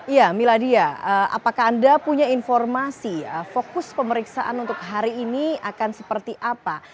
iya miladia apakah anda punya informasi fokus pemeriksaan untuk hari ini akan seperti apa